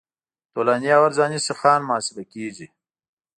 طولاني او عرضاني سیخان محاسبه کیږي